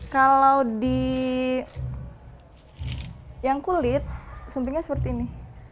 kalau di yang kulit sumpingnya seperti ini